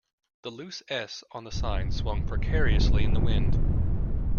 The loose S on the sign swung precariously in the wind.